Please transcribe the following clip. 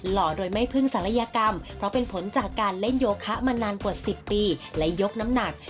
หล่อโดยไม่พึ่งศัลยกรรมเพราะเป็นผลจากการเล่นโยคะมานานกว่า๑๐ปีและยกน้ำหนัก